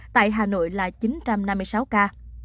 tại hà nội là chín trăm năm mươi sáu ca